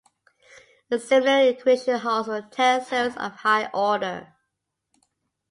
A similar equation holds for tensors of higher order.